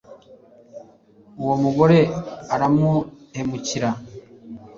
uwo mugore aramuhemukira